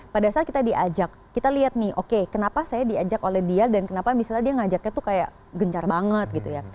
pada saat kita diajak kita lihat nih oke kenapa saya diajak oleh dia dan kenapa misalnya dia ngajaknya tuh kayak gencar banget gitu ya